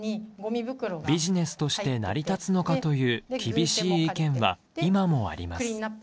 ビジネスとして成り立つのかという厳しい意見は今もあります。